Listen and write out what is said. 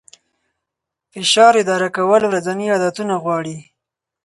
فشار اداره کول ورځني عادتونه غواړي.